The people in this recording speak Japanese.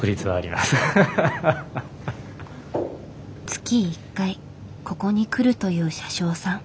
月１回ここに来るという車掌さん。